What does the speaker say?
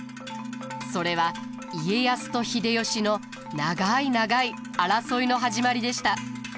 それは家康と秀吉の長い長い争いの始まりでした。